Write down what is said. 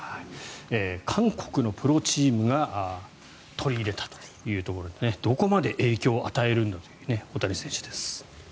韓国のプロチームが取り入れたというところでどこまで影響を与えるんだという大谷選手です。